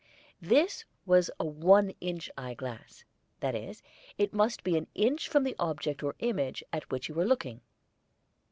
This was a one inch eyeglass; that is, it must be an inch from the object or image at which you are looking.